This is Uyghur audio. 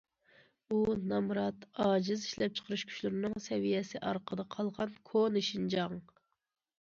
ئۇ نامرات، ئاجىز، ئىشلەپچىقىرىش كۈچلىرىنىڭ سەۋىيەسى ئارقىدا قالغان كونا شىنجاڭ.